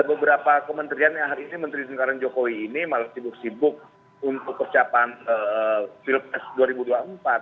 beberapa kementerian yang hari ini menteri sekarang jokowi ini malah sibuk sibuk untuk persiapan pilpres dua ribu dua puluh empat